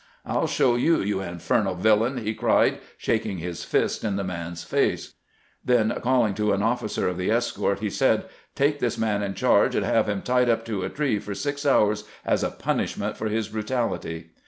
" I '11 show you, you infernal villain !" he cried, shaking his fist in the man's face. GEANT DISCIPLINES A TEAMSTEK 165 Then calling to an officer of the escort, he said :" Take this man in charge, and have him tied up to a tree for six hours as a punishment for his brutality."